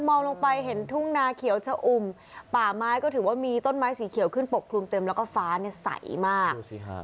มองลงไปเห็นทุ่งนาเขียวชะอุ่มป่าไม้ก็ถือว่ามีต้นไม้สีเขียวขึ้นปกคลุมเต็มแล้วก็ฟ้าเนี่ยใสมาก